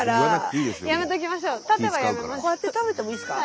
こうやって食べてもいいですか？